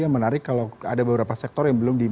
yang menarik kalau ada beberapa sektor yang belum di